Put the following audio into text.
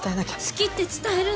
好きって伝えるんだ！